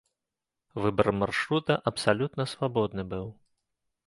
Выбар маршрута абсалютна свабодны быў.